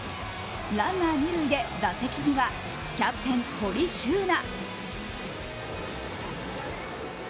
ランナー二塁で打席にはキャプテン、堀柊那。